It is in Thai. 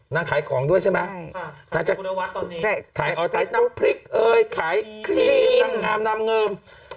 ขายของด้วยใช่ไหมนางจะขายอ๋อขายน้ำพริกเอ้ยขายครีมงามน้ำเงิม